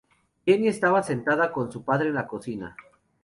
Jeannie estaba sentada con su padre en la cocina.